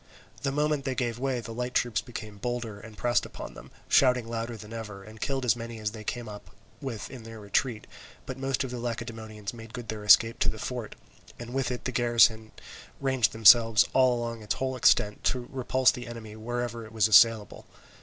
The moment they gave way, the light troops became bolder and pressed upon them, shouting louder than ever, and killed as many as they came up with in their retreat, but most of the Lacedaemonians made good their escape to the fort, and with the garrison in it ranged themselves all along its whole extent to repulse the enemy wherever it was assailable.